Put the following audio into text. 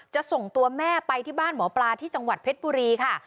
จะส่งตัวแม่ไปที่บ้านหมอปลาที่จังหวัดเพชรบุรีค่ะ